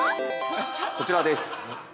◆こちらです。